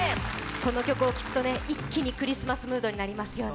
この曲を聴くと一気にクリスマスムードになりますよね。